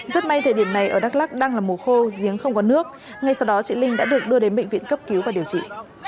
rất may thời điểm này ở đắk lắc đang là mùa khô giếng không có nước ngay sau đó chị linh đã được đưa đến bệnh viện cấp cứu và điều trị